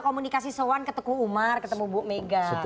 komunikasi soan ke teguh umar ketemu bu mega